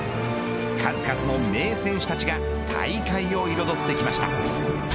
数々の名選手たちが大会を彩ってきました。